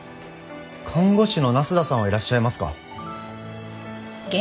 看護師の那須田さんはいらっしゃいますか？